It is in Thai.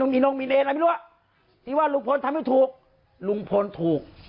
มีนงมีเลนอะไรไม่รู้ที่ว่าลุงพลทำให้ถูกลุงพลถูก